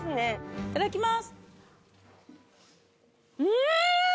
いただきます。